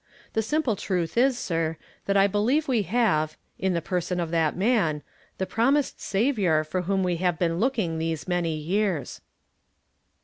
The simple truth is, sir, that I believe we have, in the person of that man, the promised Saviour for whom we liave been looking these many yeai s."